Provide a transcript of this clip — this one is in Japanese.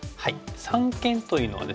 三間というのはですね。